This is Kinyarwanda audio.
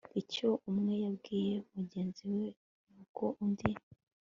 icyo umwe yabwiye mugenzi we nuko undi